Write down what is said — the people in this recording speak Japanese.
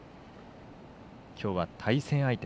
きょうは対戦相手。